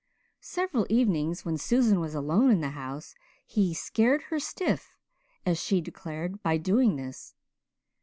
Several evenings, when Susan was alone in the house, he "scared her stiff," as she declared, by doing this.